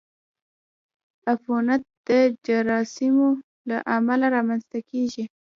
عفونت د جراثیمو له امله رامنځته کېږي.